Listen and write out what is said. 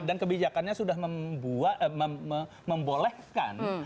dan kebijakannya sudah membolehkan